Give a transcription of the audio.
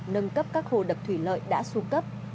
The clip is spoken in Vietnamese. nâng cấp các hồ đập thủy lợi đã xuống cấp